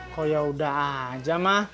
kok yaudah aja mah